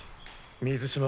水嶋